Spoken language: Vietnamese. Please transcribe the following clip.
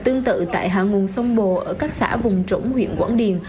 tương tự tại hàng nguồn sông bồ ở các xã vùng trổng huyện quảng điền